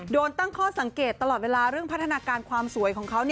โดนตั้งข้อสังเกตตลอดเวลาเรื่องพัฒนาการความสวยของเขา